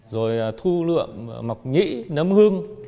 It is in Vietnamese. rồi thu lượm mọc nhĩ nấm hương